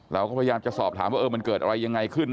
เราก็พยายามจะสอบถามว่ามันเกิดอะไรยังไงขึ้น